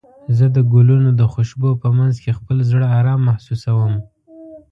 زه د ګلونو د خوشبو په مینځ کې خپل زړه ارام محسوسوم.